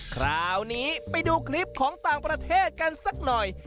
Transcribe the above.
คราวนี้ไปดูคลิปของต่างประเทศกันสักหน่อย